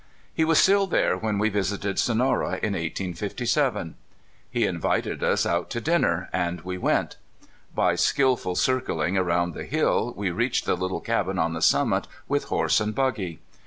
He was still there when we visited Sonora in 1857. He invited us out to dinner, and we went. By skillful circling around the hill, we reached the little cabin on the summit with horse and buggy.